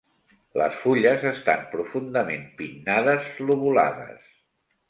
Les fulles estan profundament pinnades lobulades.